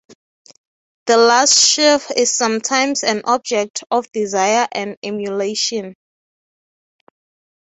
The last sheaf is sometimes an object of desire and emulation.